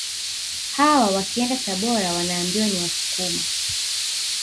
Hawa wakienda Tabora wanaambiwa ni Wasukuma